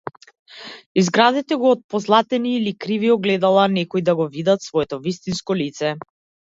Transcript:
Изградете го од позлатени или криви огледала, некои да го видат своето вистинско лице.